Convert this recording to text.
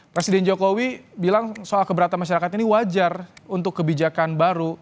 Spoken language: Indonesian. presiden jokowi bilang soal keberatan masyarakat ini wajar untuk kebijakan baru